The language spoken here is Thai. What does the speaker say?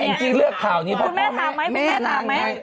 อังกฤษเลือกข่าวนี้คุณแม่ทำไหมคุณแม่ทำไหม